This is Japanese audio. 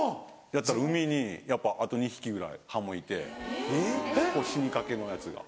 やったら海にやっぱあと２匹ぐらいハモいてもう死にかけのやつが。